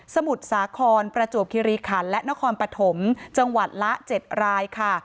มุทรสาครประจวบคิริขันและนครปฐมจังหวัดละ๗รายค่ะ